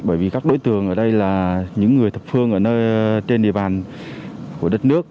bởi vì các đối tượng ở đây là những người thập phương ở nơi trên địa bàn của đất nước